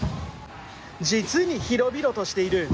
実に広々としている。